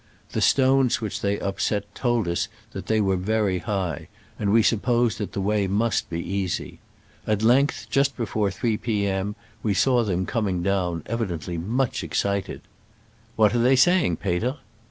The stones which they up set told that they were very high, and we supposed that the way must be easy. At length, just before 3 P. m., we saw them coming down, evidently much ex cited. "What are they saying, Peter?"